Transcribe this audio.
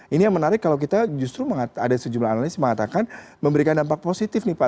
ini yang menarik kalau kita justru ada sejumlah analisis mengatakan memberikan dampak positif nih pak